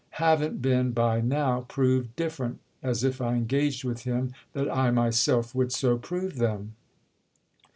haven't been 'by now' proved different: as if I engaged with him that I myself would so prove them!"